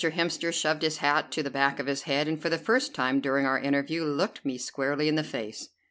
Hemster shoved his hat to the back of his head, and for the first time during our interview looked me squarely in the face.